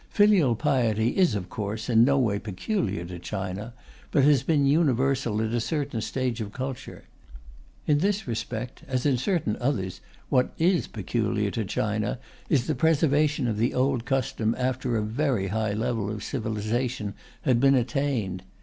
Filial piety is, of course, in no way peculiar to China, but has been universal at a certain stage of culture. In this respect, as in certain others, what is peculiar to China is the preservation of the old custom after a very high level of civilization had been attained.